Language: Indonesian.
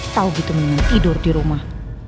tau gitu tidur di rumah